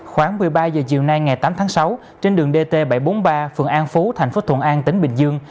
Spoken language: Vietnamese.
khoảng một mươi ba h chiều nay ngày tám tháng sáu trên đường dt bảy trăm bốn mươi ba phường an phú thành phố thuận an tỉnh bình dương